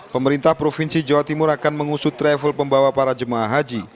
pemerintah provinsi jawa timur akan mengusut travel pembawa para jemaah haji